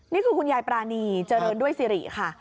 นี่คือคุณยายปรานีเจริญด้วยสิริค่ะ